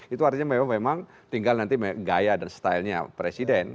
itu artinya memang tinggal nanti gaya dan stylenya presiden